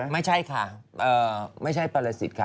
ไม่ใช่ค่ะไม่ใช่ปรสิทธิ์ค่ะ